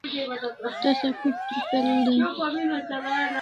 tasa kuch trupel day